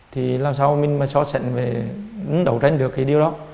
thì làm sao mình mà so sánh về đấu tranh được cái điều đó